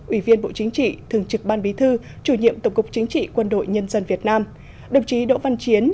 ủy viên bộ chính trị thường trực ban bí thư chủ nhiệm tổng cục chính trị quân đội nhân dân việt nam đồng chí đỗ văn chiến